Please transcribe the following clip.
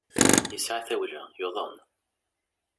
Yesɛa tawla, yuḍen.